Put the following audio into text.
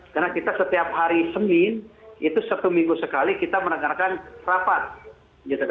karena kita setiap hari senin itu satu minggu sekali kita menegarkan rapat